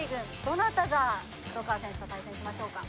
どなたが黒川選手と対戦しましょうか？